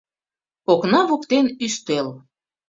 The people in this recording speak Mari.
Окна воктен — ӱстел.